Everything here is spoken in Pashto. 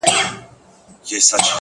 څه لېونۍ شاني گناه مي په سجده کي وکړه.